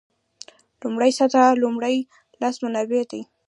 لومړۍ سطح لومړي لاس منابع دي.